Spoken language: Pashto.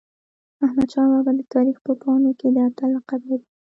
احمدشاه بابا د تاریخ په پاڼو کي د اتل لقب لري.